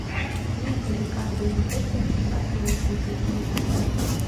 Ме Поликар дене коктын чотрак мален колтен улына.